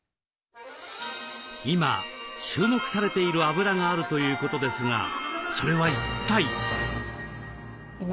今注目されているあぶらがあるということですがそれは一体？